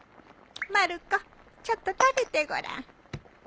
まる子ちょっと食べてごらん。